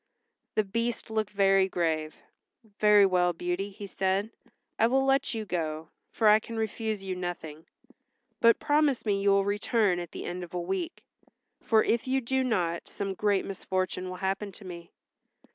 The Beast looked very grave. "Very well, Beauty," he said, "I will let you go, for I can refuse you nothing. But promise me you will return at the end of a week, for if you do not some great misfortune will happen to me."